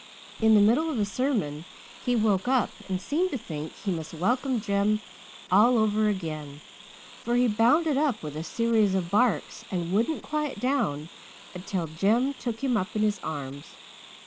In the middle of the sermon he woke up and seemed to think he must welcome Jem all over again, for he bounded up with a series of barks and wouldn't quiet down until Jem took him up in his arms.